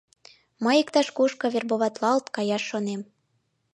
— Мый иктаж-кушко вербоватлалт каяш шонем.